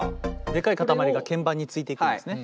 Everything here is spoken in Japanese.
でかい塊が鍵盤についていくんですね。